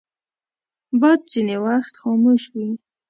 باد ځینې وخت خاموش وي